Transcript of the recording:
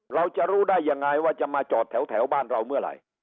เราจะรู้ได้ยังไงว่าจะมาจอดแถวบ้านเราเมื่อไหร่